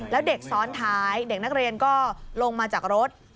แล้วเด็กซ้อนท้ายเด็กนักเรียนก็ลงมาจากรถ